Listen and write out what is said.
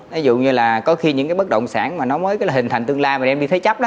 ví dụ như là có khi những cái bất động sản mà nó mới hình thành tương lai mà đem đi thế chấp á